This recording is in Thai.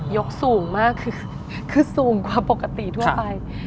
สูงมากคือสูงกว่าปกติทั่วไป